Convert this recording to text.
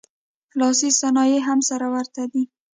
لاسي صنایع یې هم سره ورته دي